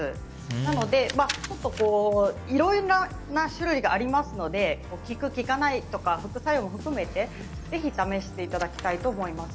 なのでいろんな種類がありますので効く効かないとか副作用も含めてぜひ試していただきたいと思います。